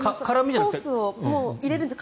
ソースを入れるんです。